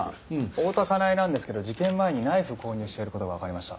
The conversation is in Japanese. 大多香苗なんですけど事件前にナイフを購入してる事がわかりました。